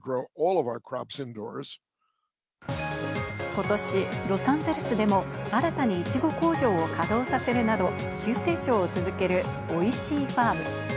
ことし、ロサンゼルスでも、新たにイチゴ工場を稼働させるなど、急成長を続けるオイシイファーム。